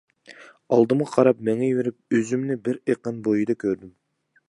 ئالدىمغا قاراپ مېڭىۋېرىپ ئۆزۈمنى بىر ئېقىن بويىدا كۆردۈم.